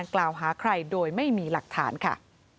ใครโดยไม่มีหลักฐานค่ะ